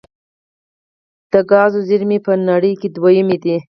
د ګازو زیرمې یې په نړۍ کې دویمې دي.